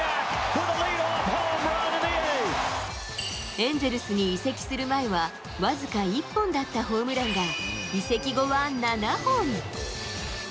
エンゼルスに移籍する前は、わずか１本だったホームランが、移籍後は７本。